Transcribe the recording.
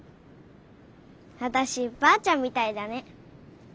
わたしばあちゃんみたいだね。